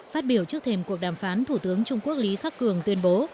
phát biểu trước thềm cuộc đàm phán thủ tướng trung quốc lý khắc cường tuyên bố